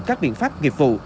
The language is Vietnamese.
các biện pháp nghiệp vụ